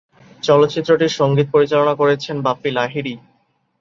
চলচ্চিত্রটির সংগীত পরিচালনা করেছেন বাপ্পি লাহিড়ী।